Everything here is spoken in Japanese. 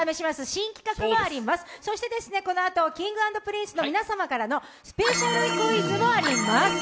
新企画もあります、そしてこのあとＫｉｎｇ＆Ｐｒｉｎｃｅの皆様からのスペシャルクイズもあります。